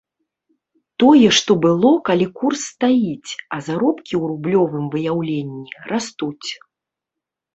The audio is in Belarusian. Тое, што было, калі курс стаіць, а заробкі ў рублёвым выяўленні растуць.